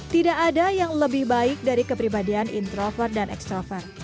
tidak ada yang lebih baik dari kepribadian introver dan extrover